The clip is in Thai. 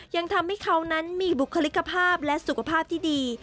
ยังทำให้เขานั้นมีบุคลิกภาพและสุขภาพที่ดี